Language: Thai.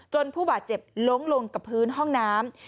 ผู้บาดเจ็บล้มลงกับพื้นห้องน้ำ